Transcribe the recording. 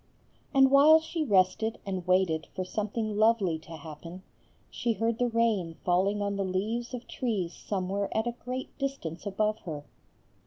And while she rested and waited for something lovely to happen, she heard the rain falling on the leaves of trees somewhere at a great distance above her.